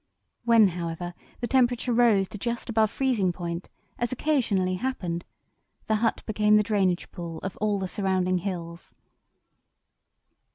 When, however, the temperature rose to just above freezing point, as occasionally happened, the hut became the drainage pool of all the surrounding hills.